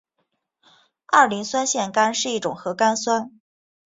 二磷酸腺苷是一种核苷酸。